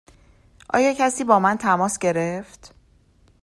آیا کسی با من تماس گرفت؟